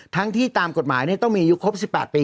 ทั้งที่ตามกฎหมายต้องมีอายุครบ๑๘ปี